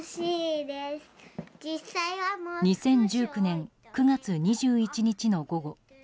２０１９年９月２１日の午後。